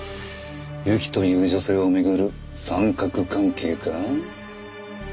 ユキという女性を巡る三角関係か？